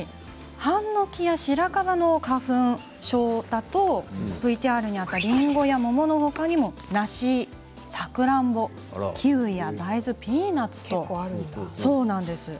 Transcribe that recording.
ハンノキやシラカバの花粉症だとＶＴＲにあったりんごや桃のほかにも梨、さくらんぼ、キウイや大豆、ピーナツといったものもあります。